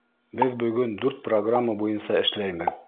— Беҙ бөгөн дүрт программа буйынса эшләйбеҙ.